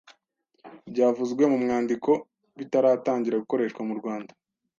byavuzwe mu mwandiko bitaratangira gukoreshwa mu Rwanda